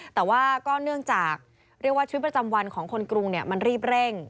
แต่ว่าเนื่องจากชีวิตประจำวันของคนกรุงมันรีบเร่ง